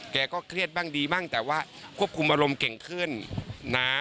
เครียดบ้างดีบ้างแต่ว่าควบคุมอารมณ์เก่งขึ้นนะ